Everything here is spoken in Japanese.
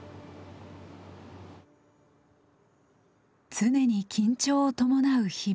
常に緊張を伴う日々。